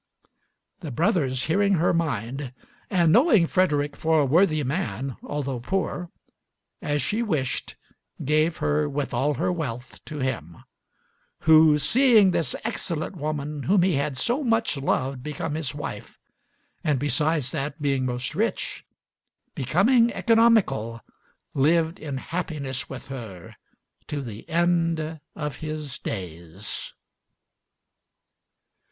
The brothers, hearing her mind, and knowing Frederick for a worthy man, although poor, as she wished, gave her with all her wealth to him; who, seeing this excellent woman whom he had so much loved become his wife, and besides that, being most rich, becoming economical, lived in happiness with her to the end of his days.